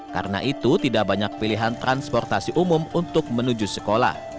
karena itu tidak banyak pilihan transportasi umum untuk menuju sekolah